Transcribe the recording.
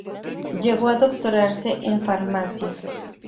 Llegó a doctorarse en Farmacia.